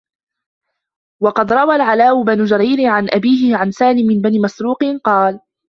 وَقَدْ رَوَى الْعَلَاءُ بْنُ جَرِيرٍ عَنْ أَبِيهِ عَنْ سَالِمِ بْنِ مَسْرُوقٍ قَالَ